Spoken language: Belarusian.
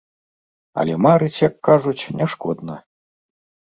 Але марыць, як кажуць, не шкодна.